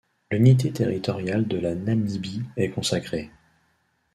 L'unité territoriale de la Namibie est consacrée.